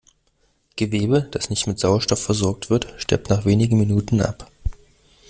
Gewebe, das nicht mit Sauerstoff versorgt wird, stirbt nach wenigen Minuten ab.